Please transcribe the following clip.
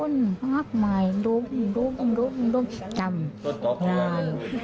อยากไม่โดบลุมจำ